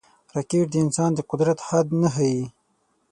راکټ د انسان د قدرت حد نه ښيي